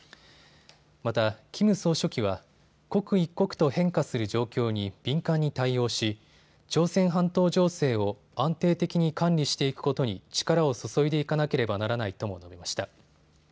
また、キム総書記は刻一刻と変化する状況に敏感に対応し、朝鮮半島情勢を安定的に管理していくことに力を注いでいかなければならないとも述べました。